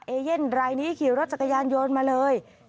เอเย่นรายนี้ขี่รถจักรยานโยนมาเลย